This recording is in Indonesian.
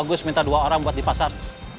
bagus minta dua orang buat di pasar